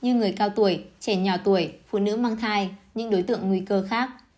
như người cao tuổi trẻ nhỏ tuổi phụ nữ mang thai những đối tượng nguy cơ khác